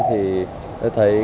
thì tôi thấy